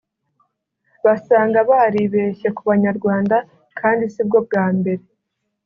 Basanga baribeshye ku banyarwanda kandi sibwo bwa mbere